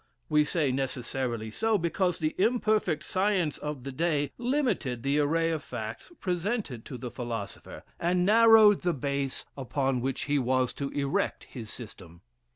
We say necessarily so, because the imperfect science of the day limited the array of facts presented to the philosopher, and narrowed the base upon which he was to erect his system.